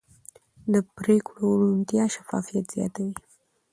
د پرېکړو روڼتیا شفافیت زیاتوي